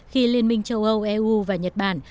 khi liên minh châu âu eu và nhật bản